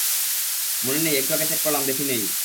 মনে নেই একটু আগে চেক করলাম, দেখি নেই।